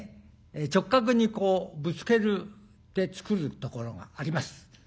直角にこうぶつけて作るところがあります。